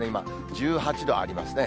１８度ありますね。